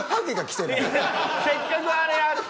せっかくあれある。